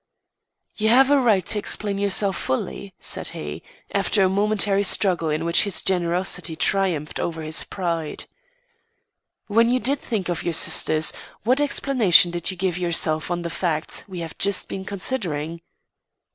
"You have a right to explain yourself fully," said he, after a momentary struggle in which his generosity triumphed over his pride. "When you did think of your sisters, what explanation did you give yourself of the facts we have just been considering?"